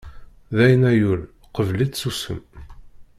Dayen a yul qbel-itt sussem.